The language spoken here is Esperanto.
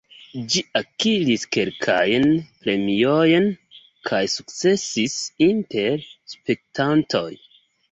Ĝi akiris kelkajn premiojn kaj sukcesis inter spektantoj.